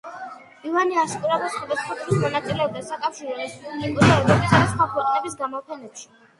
ივანე ასკურავა სხვადასხვა დროს მონაწილეობდა საკავშირო, რესპუბლიკურ, ევროპისა და სხვა ქვეყნების გამოფენებში.